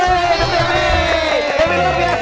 sampai jumpa sonstq